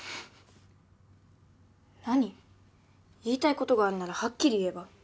言いたいことがあるならはっきり言えば？